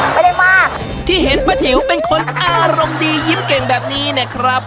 ไม่ได้มาที่เห็นป้าจิ๋วเป็นคนอารมณ์ดียิ้มเก่งแบบนี้เนี่ยครับ